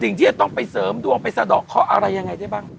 ที่จะต้องไปเสริมดวงไปสะดอกเคาะอะไรยังไงได้บ้าง